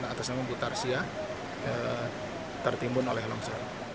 atas nama bu tarsia tertimbun oleh longsor